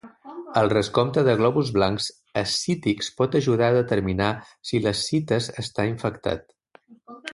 El recompte de glòbuls blancs ascítics pot ajudar a determinar si l'ascites està infectat.